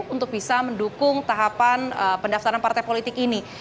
untuk bisa mendukung tahapan pendaftaran partai politik ini